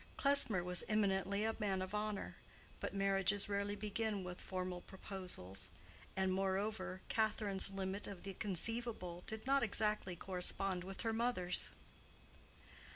Klesmer was eminently a man of honor, but marriages rarely begin with formal proposals, and moreover, Catherine's limit of the conceivable did not exactly correspond with her mother's.